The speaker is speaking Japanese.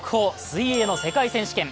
水泳の世界選手権。